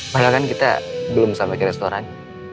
padahal kan kita belum sampai ke restoran